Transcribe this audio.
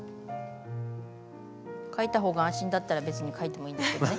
描いたほうが安心だったら別に描いてもいいんですけどね。